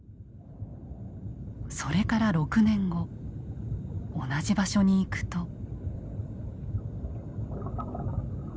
それから６年後同じ場所に行くと。